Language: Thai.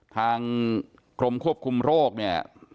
ทางกรมควบคุมโรคเนี่ย